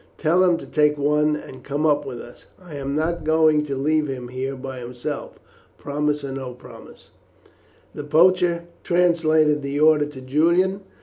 Tell him to take one and come up with us. I am not going to leave him here by himself, promise or no promise." The poacher translated the order to Julian.